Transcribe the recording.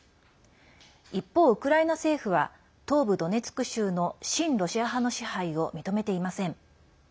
一方、ウクライナ政府は東部ドネツク州の親ロシア派の支配を認めていません。